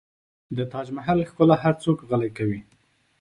د تاج محل ښکلا هر څوک غلی کوي.